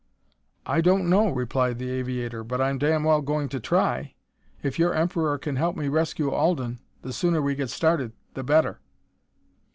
"I don't know," replied the aviator, "but I'm damn well going to try. If your Emperor can help me rescue Alden, the sooner we get started, the better."